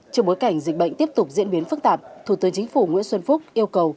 trong bối cảnh dịch bệnh tiếp tục diễn biến phức tạp thủ tướng chính phủ nguyễn xuân phúc yêu cầu